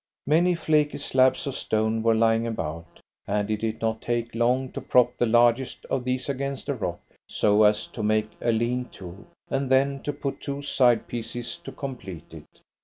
Many flaky slabs of stone were lying about, and it did not take long to prop the largest of these against a rock, so as to make a lean to, and then to put two side pieces to complete it.